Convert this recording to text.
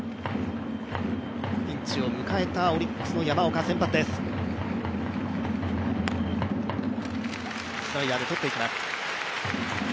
ピンチを迎えたオリックスの山岡、先発です。